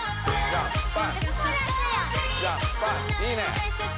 いいね！